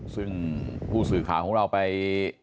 ซึ่งผู้สื่อข่าวของเราไป